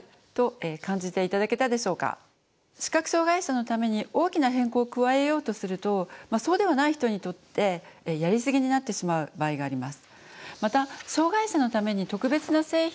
視覚障害者のために大きな変更を加えようとするとそうではない人にとってやりすぎになってしまう場合があります。